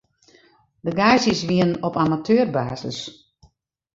De gaazjes wienen op amateurbasis.